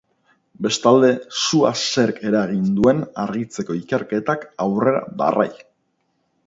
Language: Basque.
Bestalde, sua zerk eragin duen argitzeko ikerketak aurrera darrai.